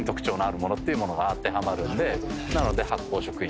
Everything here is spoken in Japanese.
なので発酵食品。